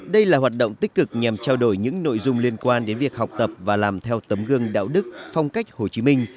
đây là hoạt động tích cực nhằm trao đổi những nội dung liên quan đến việc học tập và làm theo tấm gương đạo đức phong cách hồ chí minh